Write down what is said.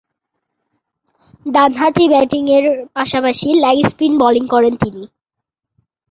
ডানহাতে ব্যাটিংয়ের পাশাপাশি লেগ স্পিন বোলিং করেন তিনি।